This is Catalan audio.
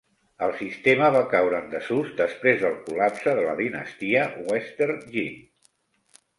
El sistema va caure en desús després del col·lapse de la dinastia Western Jin.